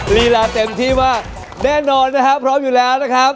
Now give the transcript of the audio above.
ลีลาเต็มที่ว่าแน่นอนนะครับพร้อมอยู่แล้วนะครับ